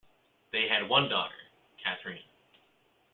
They had one daughter, Katherine.